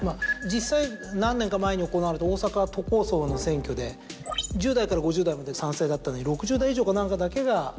実際何年か前に行われた大阪都構想の選挙で１０代から５０代まで賛成だったのに６０代以上か何かだけが。